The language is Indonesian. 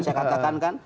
saya katakan kan